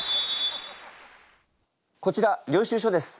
こちら領収書です。